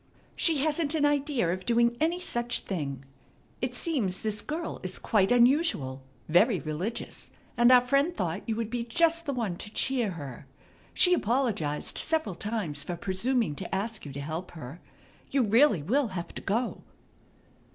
She hasn't an idea of doing any such thing. It seems this girl is quite unusual, very religious, and our friend thought you would be just the one to cheer her. She apologized several times for presuming to ask you to help her. You really will have to go."